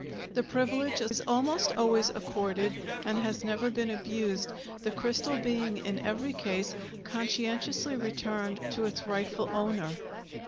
The privilege is almost always accorded and has never been abused, the crystal being in every case conscientiously returned to its rightful owner.